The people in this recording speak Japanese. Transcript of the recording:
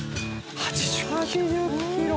８０キロ！